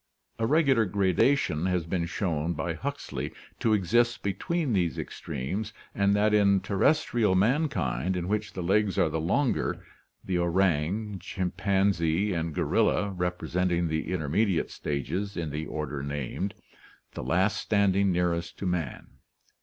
A regular grada tion has been shown by Huxley to exist between these extremes ORTHOGENESIS AND KINETOGENESIS 187 and that in terrestrial mankind, in which the legs are the longer, the orang, chimpanzee and gorilla representing the intermediate stages in the order named, the last standing nearest to man.